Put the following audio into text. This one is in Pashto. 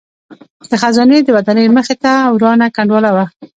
د خزانې د ودانۍ مخې ته ورانه کنډواله وه.